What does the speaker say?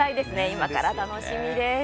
今から楽しみです。